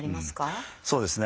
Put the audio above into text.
そうですね